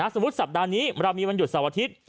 สมมุติสัปดาห์นี้เรามีวันหยุดเสาร์อาทิตย์